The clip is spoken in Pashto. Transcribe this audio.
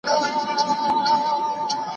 بي تدبيره خلک تر واده وروسته پريشان وي.